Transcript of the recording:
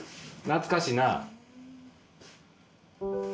懐かしいな。